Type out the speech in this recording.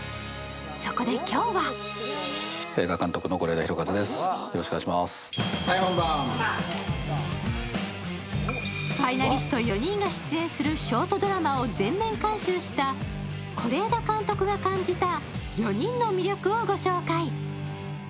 そこで今日はファイナリスト４人が出演するショートドラマを全面監修した是枝監督が感じた４人の魅力を御紹介。